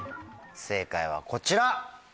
正解はこちら！